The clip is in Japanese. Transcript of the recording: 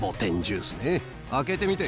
開けてみて。